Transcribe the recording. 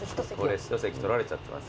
これ一席取られちゃってます。